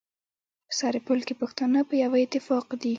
په سرپل کي پښتانه په يوه اتفاق دي.